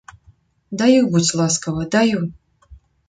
Даю, будзь ласкава, даю!